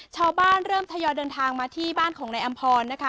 ชาวบ้านเริ่มทยอยเดินทางมาที่บ้านของนายอำพรนะคะ